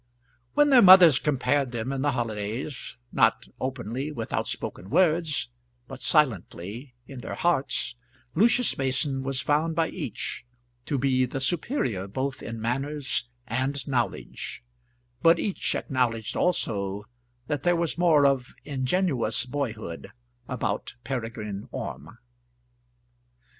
When their mothers compared them in the holidays, not openly with outspoken words, but silently in their hearts, Lucius Mason was found by each to be the superior both in manners and knowledge; but each acknowledged also that there was more of ingenuous boyhood about Peregrine Orme.